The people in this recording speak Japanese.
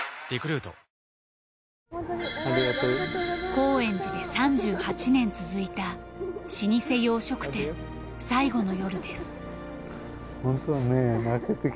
高円寺で３８年続いた老舗洋食店最後の夜です。